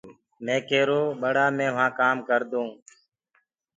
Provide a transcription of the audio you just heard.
مي ڪيرو ٻڙآ مي وهآنٚ ڪآم ڪردونٚ تو